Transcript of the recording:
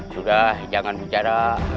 sudah jangan bicara